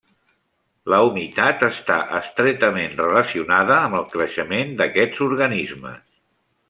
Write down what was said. La humitat està estretament relacionada amb el creixement d'aquests organismes.